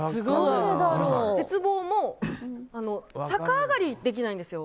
鉄棒も、逆上がりができないんですよ。